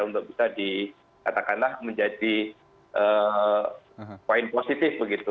untuk bisa dikatakanlah menjadi poin positif begitu